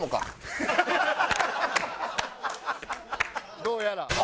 どうやら。